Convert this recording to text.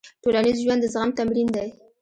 ټولنیز ژوند د زغم تمرین دی.